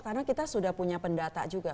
karena kita sudah punya pendata juga